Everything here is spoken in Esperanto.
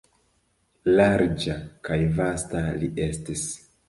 Larĝa kaj vasta li estis!